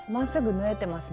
縫えてます。